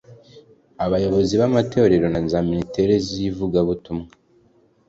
abayobozi b’ amatorero na za minisiteri z’ ivugabutumwa